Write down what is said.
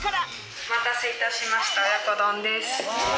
お待たせいたしました、親子丼です。